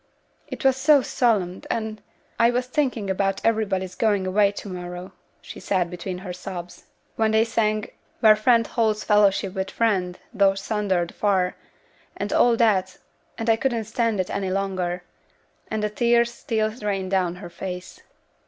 "It was so solemn and I was thinking about everybody's going away to morrow," she said, between her sobs. "Then they sang 'Where friend holds fellowship with friend. Though sundered far' and all that and I couldn't stand it any longer," and the tears still rained down her face.